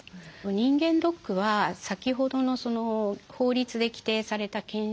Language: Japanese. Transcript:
人間ドックは先ほどの法律で規定された健診プラス